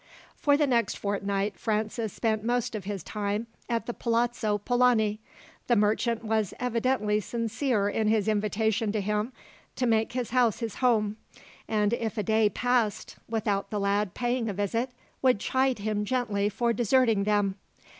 For the next fortnight Francis spent most of his time at the Palazzo Polani. The merchant was evidently sincere in his invitation to him to make his house his home; and if a day passed without the lad paying a visit, would chide him gently for deserting them.